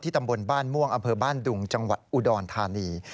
ตำบลบ้านม่วงอำเภอบ้านดุงจังหวัดอุดรธานี